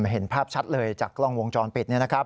เห็นภาพชัดเลยจากกล้องวงจรปิดเนี่ยนะครับ